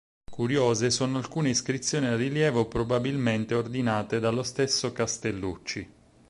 Curiose sono alcune iscrizioni a rilievo, probabilmente ordinate dallo stesso Castellucci.